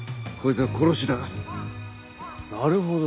なるほど。